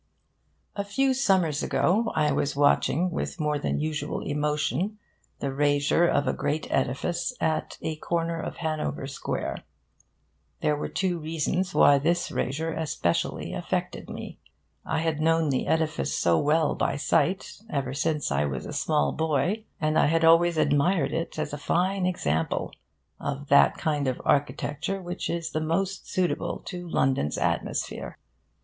A few summers ago, I was watching, with more than usual emotion, the rasure of a great edifice at a corner of Hanover Square. There were two reasons why this rasure especially affected me. I had known the edifice so well, by sight, ever since I was a small boy, and I had always admired it as a fine example of that kind of architecture which is the most suitable to London's atmosphere.